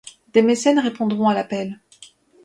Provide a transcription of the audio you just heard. Des mécènes répondront à l'appel.